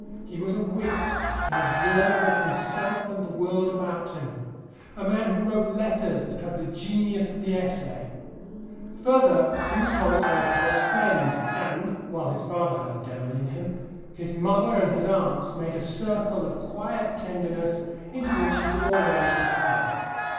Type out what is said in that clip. He was a wit, an observer of himself and the world about him, a man who wrote letters that have the genius of the essay. Further, he was Horace Walpole's friend, and (while his father had a devil in him) his mother and his aunts made a circle of quiet tenderness into which he could always retire.